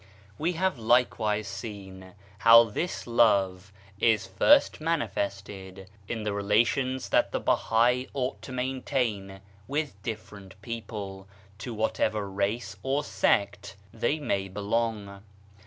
We have likewise seen how this love is first manifested in the re lations that the Bahai ought to maintain with different people, to whatever race or sect they may belong.